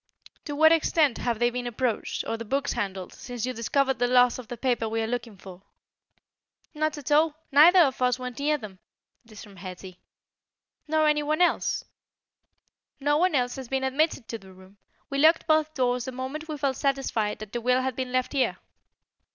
To what extent have they been approached, or the books handled, since you discovered the loss of the paper we are looking for?" "Not at all. Neither of us went near them." This from Hetty. "Nor any one else?" "No one else has been admitted to the room. We locked both doors the moment we felt satisfied that the will had been left here."